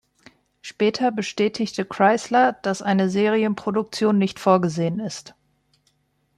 Später bestätigte Chrysler, dass eine Serienproduktion nicht vorgesehen ist.